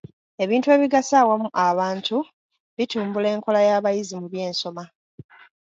Ebintu ebigasiza awamu abantu bitumbula enkola y'abayizi mu by'ensoma.